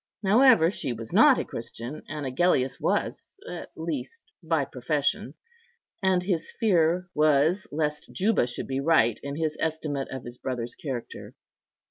However, she was not a Christian, and Agellius was, at least by profession; and his fear was lest Juba should be right in his estimate of his brother's character.